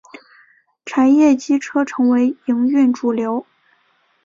柴液机车成为营运主流。